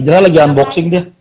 hijrah lagi unboxing dia